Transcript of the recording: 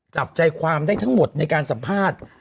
จับใจความได้ทั้งหมดในการสัมภาษณ์